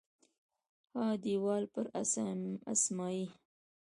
ها دیوال پر اسمایي